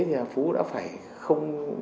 thì là phú đã phải không